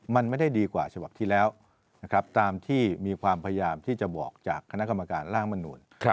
มันไม่ได้ดีกว่าฉบับที่แล้วนะครับตามที่มีความพยายามที่จะบอกจากคณะกรรมการร่างมนุน